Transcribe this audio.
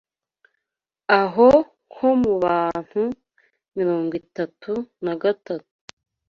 aho nko mu bantu mirongo itatu nagatatu